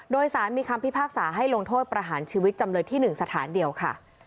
โดยสารมีคำพิพากษาให้ลงโทษประหารชีวิตจำเลยที่๑สถานเดียวค่ะ